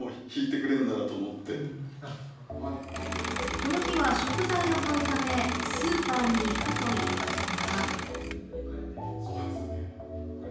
この日は食材を買うためスーパーに行くといいますが。